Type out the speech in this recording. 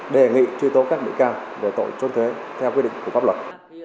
đề nghị truy tố các bị can về tội trốn thuế theo quy định của pháp luật